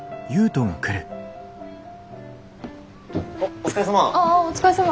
おっお疲れさま。